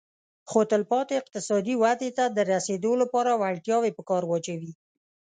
خو تلپاتې اقتصادي ودې ته د رسېدو لپاره وړتیاوې په کار واچوي